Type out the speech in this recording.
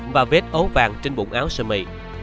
và vết ố vàng trên bụng áo xơ mị